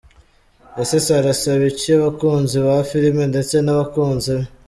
Ese Sarah asaba iki abakunzi ba filime ndetse n’abakunzi be?.